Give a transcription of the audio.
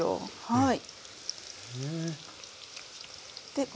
はい。